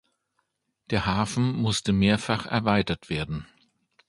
Der Hafen musste mehrfach erweitert werden.